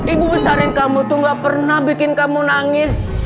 ibu besarin kamu tuh gak pernah bikin kamu nangis